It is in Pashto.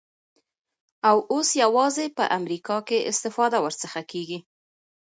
او اوس یوازی په امریکا کي استفاده ورڅخه کیږی